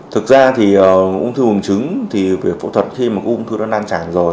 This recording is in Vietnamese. thực ra thì ung thư buồng trứng thì phẫu thuật khi mà ung thư nó lan tràn rồi